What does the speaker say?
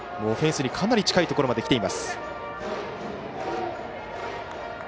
フェンスにかなり近いところまで来ています。